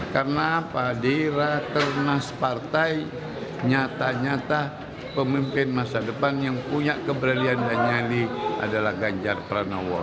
karena pak dira ternas partai nyata nyata pemimpin masa depan yang punya keberanian dan nyali adalah ganjar paranowo